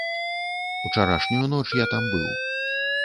Учарашнюю ноч я там быў.